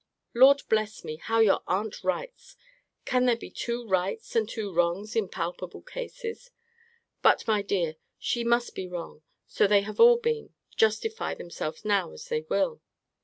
Lord bless me, how your aunt writes! Can there be two rights and two wrongs in palpable cases! But, my dear, she must be wrong: so they all have been, justify themselves now as they will.